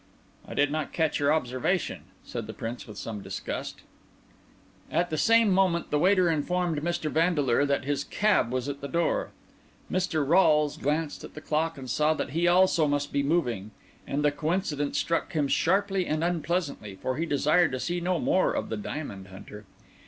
"I did not catch your observation," said the Prince with some disgust. And at the same moment the waiter informed Mr. Vandeleur that his cab was at the door. Mr. Rolles glanced at the clock, and saw that he also must be moving; and the coincidence struck him sharply and unpleasantly, for he desired to see no more of the diamond hunter.